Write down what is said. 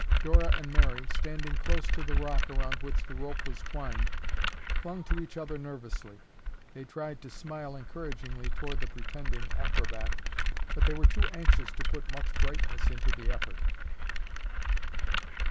Dora and Mary, standing close to the rock around which the rope was twined, clung to each other nervously. They tried to smile encouragingly toward the pretending acrobat, but they were too anxious to put much brightness into the effort.